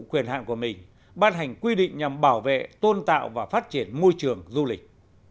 quyền hạn của mình ban hành quy định nhằm bảo vệ tôn tạo và phát triển môi trường du lịch